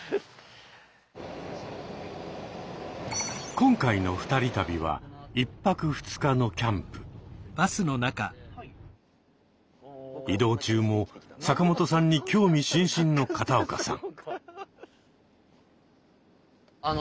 今回の二人旅は移動中も坂本さんに興味津々の片岡さん。